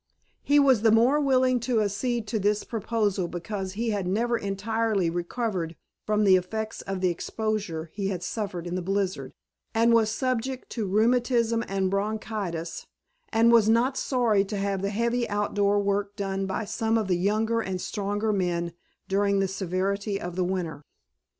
He was the more willing to accede to this proposal because he had never entirely recovered from the effects of the exposure he had suffered in the blizzard, and was subject to rheumatism and bronchitis, and was not sorry to have the heavy outdoor work done by some of the younger and stronger men during the severity of the winter.